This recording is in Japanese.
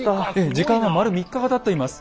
時間は丸３日がたっています。